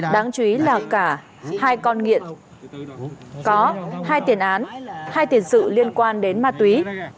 đáng chú ý là cả hai con nghiện có hai tiền án hai tiền sự liên quan đến ma túy